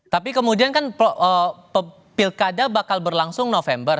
tapi kemudian kan pilkada bakal berlangsung november